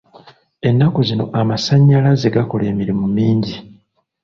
Ennaku zino amasannyalaze gakola emirimu mingi.